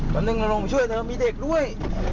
แป๊บนึงลงมาช่วยเธอมีเด็กด้วย